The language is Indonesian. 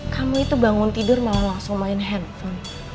kami itu bangun tidur malah langsung main handphone